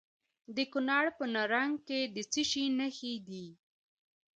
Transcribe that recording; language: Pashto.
د کونړ په نرنګ کې د څه شي نښې دي؟